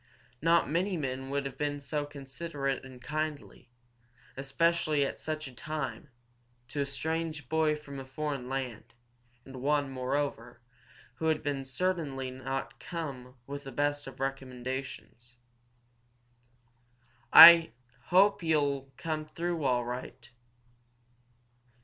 Not many men would have been so considerate and so kindly, especially at such a time, to a strange boy from a foreign land, and one, moreover, who had certainly not come with the best of recommendations. "I I hope you'll come through all right."